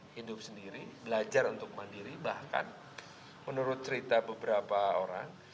hidup sendiri belajar untuk mandiri bahkan menurut cerita beberapa orang